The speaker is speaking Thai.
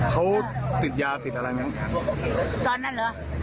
เขาติดยาติดอะไรอย่างนั้น